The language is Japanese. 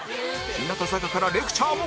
日向坂からレクチャーも